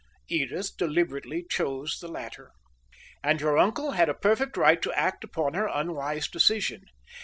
Edith deliberately chose the latter. And your uncle had a perfect right to act upon her unwise decision."